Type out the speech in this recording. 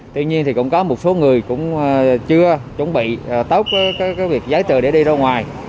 tuy nhiên cũng có một số người chưa chuẩn bị tốt việc giấy từ để đi ra ngoài